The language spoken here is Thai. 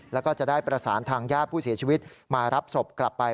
แล้วก็จะได้ประสานทางญาติผู้เสียชีวิตมารับศพกลับไป